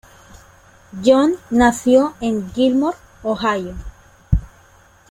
Young nació en Gilmore, Ohio.